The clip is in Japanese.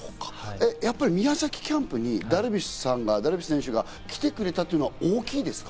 やっぱり宮崎キャンプにダルビッシュさんが、ダルビッシュ選手が来てくれたというのは大きいんですか？